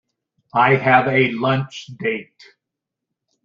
I have a lunch date.